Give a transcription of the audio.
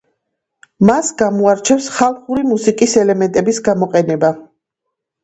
მას გამოარჩევს ხალხური მუსიკის ელემენტების გამოყენება.